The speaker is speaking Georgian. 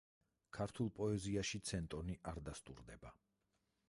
ქართულ პოეზიაში ცენტონი არ დასტურდება.